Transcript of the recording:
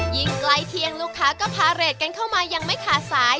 ใกล้เคียงลูกค้าก็พาเรทกันเข้ามายังไม่ขาดสาย